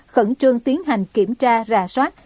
khẩn trương tiến hành kiểm tra rà soát